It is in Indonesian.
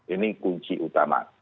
ini kunci utama